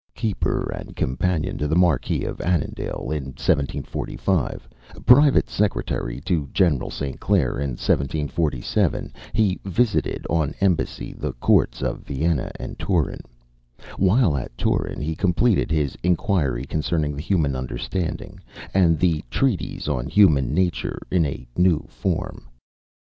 Keeper and companion to the Marquis of Annandale in 1745, private secretary to General St. Clair in 1747, he visited on embassy the courts of Vienna and Turin. While at Turin he completed his "Inquiry Concerning the Human Understanding," the "Treatise on Human Nature" in a new form.